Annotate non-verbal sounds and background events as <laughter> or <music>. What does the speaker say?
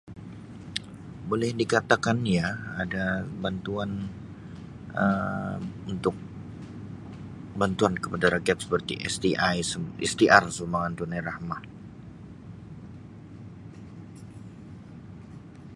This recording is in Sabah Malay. <noise> "Boleh dikatakan ya, ada bantuan Um untuk bantuan kepada rakyat seperti ""STI""-sum-STR sumbangan tunai rahmah."